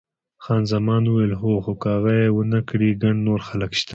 خان زمان وویل، هو، خو که هغه یې ونه کړي ګڼ نور خلک شته.